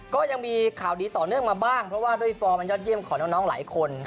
ก็ยังมีข่าวดีต่อเนื่องมาบ้างเพราะว่าด้วยฟอร์มมันยอดเยี่ยมของน้องหลายคน